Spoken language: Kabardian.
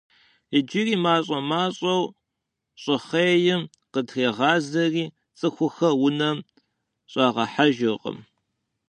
Иджыри мащӏэ-мащӏэу щӏыхъейм къытрегъазэри, цӀыхухэр унэм щӀагъэхьэжыркъым.